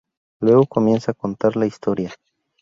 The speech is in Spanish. Luego comienza a contar la historia.